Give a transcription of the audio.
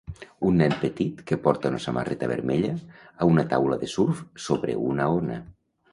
Un nen petit, que porta una samarreta vermella, a una taula de surf sobre una ona.